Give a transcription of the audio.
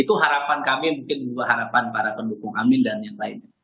itu harapan kami mungkin membawa harapan para pendukung amin dan yang lainnya